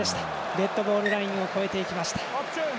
デッドボールラインを越えていきました。